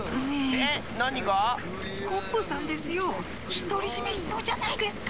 ひとりじめしそうじゃないですか。